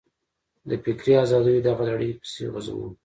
د فکري ازادیو دغه لړۍ پسې غځوو.